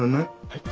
はい。